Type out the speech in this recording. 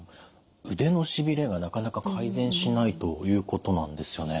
腕のしびれがなかなか改善しないということなんですよね。